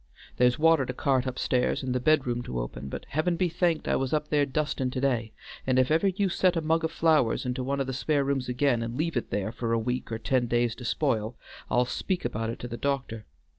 There's water to cart upstairs and the bed room to open, but Heaven be thanked I was up there dustin' to day, and if ever you set a mug of flowers into one o' the spare rooms again and leave it there a week or ten days to spile, I'll speak about it to the doctor.